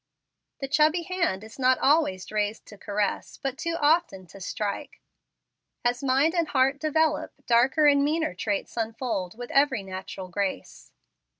The chubby hand is not always raised to caress, but too often to strike. As mind and heart develop, darker and meaner traits unfold with every natural grace.